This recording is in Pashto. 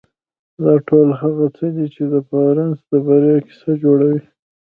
دا ټول هغه څه دي چې د بارنس د بريا کيسه جوړوي.